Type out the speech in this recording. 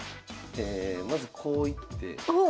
まずこう行っておおっ。